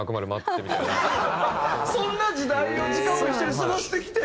そんな時代を時間を一緒に過ごしてきて？